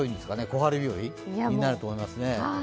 小春日和になると思いますね。